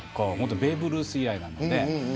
ベーブ・ルース以来なので。